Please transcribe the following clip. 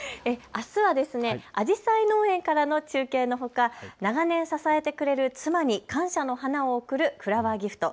あすはアジサイ農園からの中継のほか、長年、支えてくれる妻に感謝の花を贈るフラワーギフト。